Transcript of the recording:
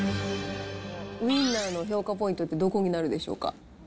ウインナーの評価ポイントってどこになるんでしょうか。